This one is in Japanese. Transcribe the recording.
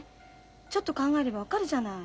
ちょっと考えれば分かるじゃない。